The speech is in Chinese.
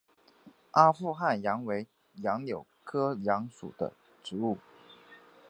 阿富汗杨为杨柳科杨属的植物。